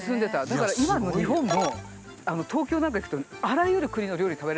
だから今の日本も東京なんか行くとあらゆる国の料理食べれるじゃないですか。